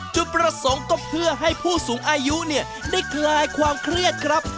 จุดประสงค์ก็เพื่อให้ผู้สูงอายุเนี่ยได้คลายความเครียดครับ